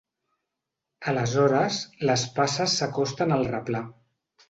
Aleshores les passes s'acosten al replà.